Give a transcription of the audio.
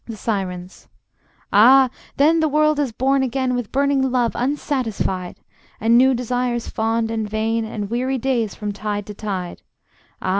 The Sirens: Ah! then the world is born again With burning love unsatisfied, And new desires fond and vain, And weary days from tide to tide. Ah!